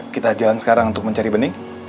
kita jalan sekarang untuk mencari bening